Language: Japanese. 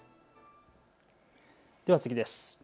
では次です。